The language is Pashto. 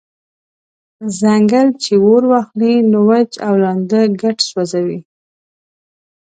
« ځنګل چی اور واخلی نو وچ او لانده ګډ سوځوي»